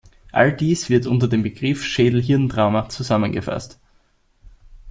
All dies wird unter dem Begriff Schädel-Hirn-Trauma zusammengefasst.